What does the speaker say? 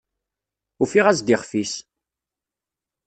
Ufiɣ-as-d iɣef-is!